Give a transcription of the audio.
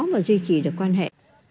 mà duy trì được quan hệ